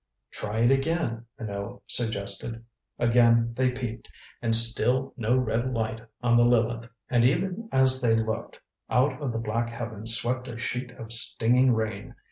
"Try it again," Minot suggested. Again they peeped. And still no red light on the Lileth. And even as they looked, out of the black heavens swept a sheet of stinging rain.